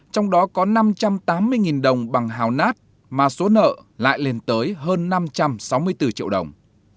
trong đó có năm trăm tám mươi đồng bằng hào nát mà số nợ lại lên tới hơn năm trăm sáu mươi bốn triệu đồng